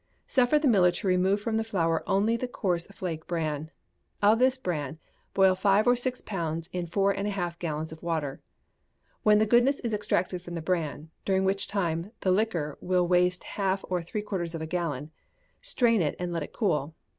Suffer the miller to remove from the flour only the coarse flake bran. Of this bran, boil five or six pounds in four and a half gallons of water; when the goodness is extracted from the bran, during which time the liquor will waste half or three quarters of a gallon, strain it and let it cool.